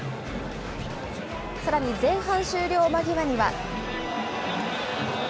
さらに前半終了間際には。